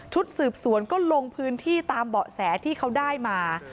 สืบสวนก็ลงพื้นที่ตามเบาะแสที่เขาได้มา